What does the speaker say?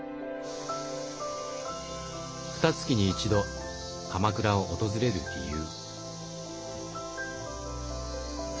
ふた月に一度鎌倉を訪れる理由。